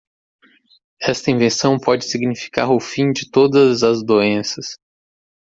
Esta invenção pode significar o fim de todas as doenças.